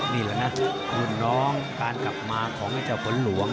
นี่แหละนะรุ่นน้องการกลับมาของไอ้เจ้าฝนหลวง